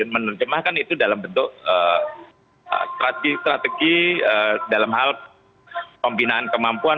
menerjemahkan itu dalam bentuk strategi dalam hal pembinaan kemampuan